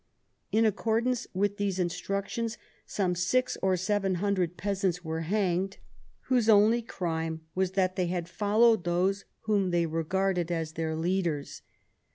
In accordance with these instructions, some 600 or 700 peasants ELIZABETH AND MARY STUART, 123 were hanged, whose only crime was that they had followed those whom they regarded as their leaders.